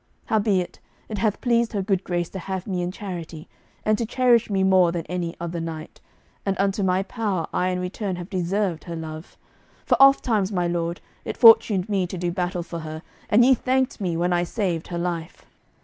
Howbeit, it hath pleased her good grace to have me in charity, and to cherish me more than any other knight, and unto my power I in return have deserved her love; for ofttimes, my lord, it fortuned me to do battle for her, and ye thanked me when I saved her life.